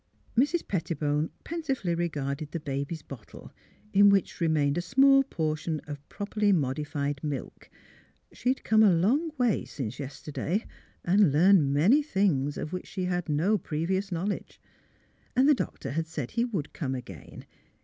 ill Mrs. Pettibone pensively regarded the baby's bottle, in which remained a small portion of prop erly modified milk. She had come a long way since yesterday, and learned many things of which she had no previous knowledge. And the doctor had said he would come again.